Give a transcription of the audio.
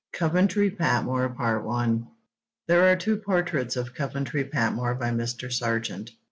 COVENTRY PATMORE There are two portraits of Coventry Patmore by Mr. Sargent.